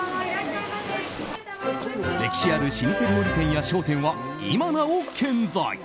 歴史ある老舗料理店や商店は今なお健在。